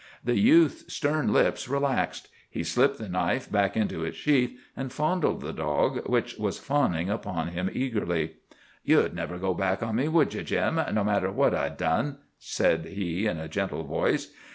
The youth's stern lips relaxed. He slipped the knife back into its sheath, and fondled the dog, which was fawning upon him eagerly. "You'd never go back on me, would you, Jim, no matter what I'd done?" said he, in a gentle voice.